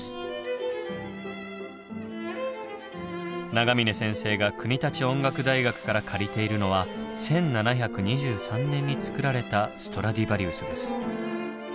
永峰先生が国立音楽大学から借りているのは１７２３年に作られたストラディバリウスです。